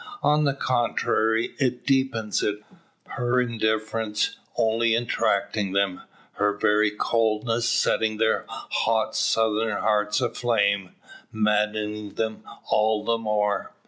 On the contrary it deepens it; her indifference only attracting them, her very coldness setting their hot southern hearts aflame, maddening them all the more.